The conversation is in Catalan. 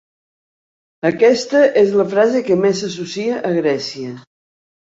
Aquesta és la frase que més s'associa a Grècia.